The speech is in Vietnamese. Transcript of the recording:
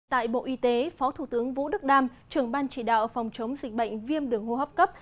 tại bộ y tế phó thủ tướng vũ đức đam trưởng ban chỉ đạo phòng chống dịch bệnh viêm đường hô hấp cấp